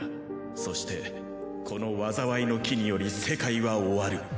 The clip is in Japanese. そしてこの災いの樹により世界は終わる。